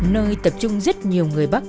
nơi tập trung rất nhiều người bắc